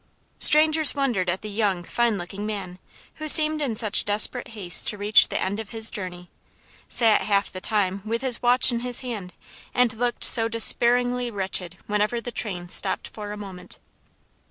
Strangers wondered at the young, fine looking man, who seemed in such desperate haste to reach the end of his journey sat half the time with his watch in his hand, and looked so despairingly wretched whenever the train stopped for a moment.